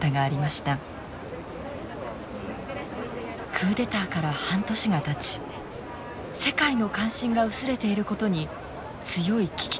クーデターから半年がたち世界の関心が薄れていることに強い危機感を抱いています。